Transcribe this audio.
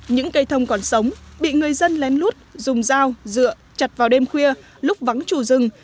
những cây thông còn sống bị người dân lén lút dùng dao dựa chặt vào đêm khuya lúc vắng trù rừng